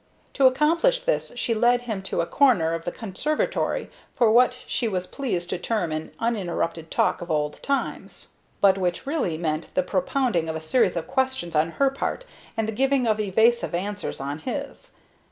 To accomplish this she led him to a corner of the conservatory for what she was pleased to term an uninterrupted talk of old times, but which really meant the propounding of a series of questions on her part and the giving of evasive answers on his.